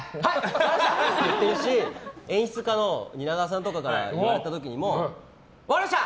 分かりましたって言っているし演出家の蜷川さんとかに言われた時も分かりました！